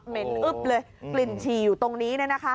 เหม็นอึ๊บเลยกลิ่นชีอยู่ตรงนี้